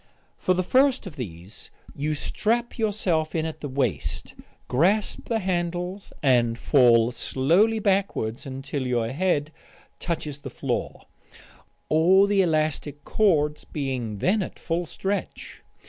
For the first of these you strap yourself in at the waist, grasp the handles, and fall slowly backwards until your head touches the floor all the elastic cords being then at full stretch.